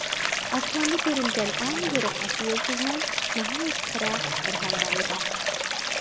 ئاسماندا كۆرۈنگەن ئەڭ يورۇق ئاشۇ يۇلتۇزنىڭ، ناھايىتى خىرە بىر ھەمراھى بار.